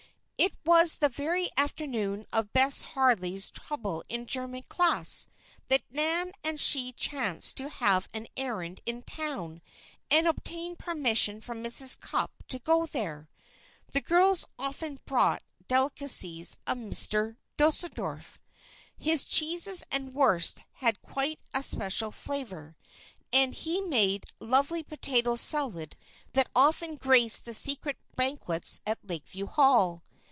It was the very afternoon of Bess Harley's trouble in German class that Nan and she chanced to have an errand in town and obtained permission from Mrs. Cupp to go there. The girls often bought delicacies of Mister Deuseldorf his cheeses and wurst had quite a special flavor, and he made lovely potato salad that often graced the secret banquets at Lakeview Hall.